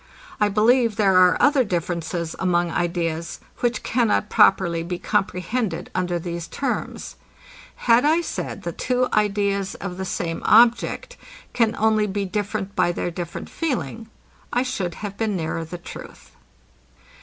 I believe there are other differences among ideas, which cannot properly be comprehended under these terms. Had I said, that two ideas of the same object can only be different by their different feeling, I should have been nearer the truth.